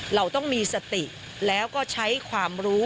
เราต้องมีสติแล้วก็ใช้ความรู้